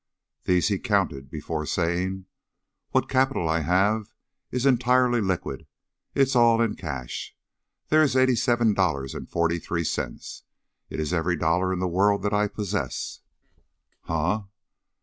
These he counted before saying: "What capital I have is entirely liquid it's all in cash. There is eighty seven dollars and forty three cents. It is every dollar in the world that I possess." "Huh?"